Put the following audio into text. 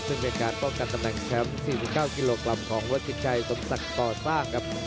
ซึ่งเป็นการป้องกันตำแหน่งแชมป์๔๙กิโลกรัมของวัดสินชัยสมศักดิ์ก่อสร้างครับ